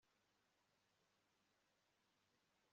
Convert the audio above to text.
ukuri ntikwica umutumirano